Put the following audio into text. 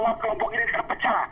bahwa kelompok ini terpecah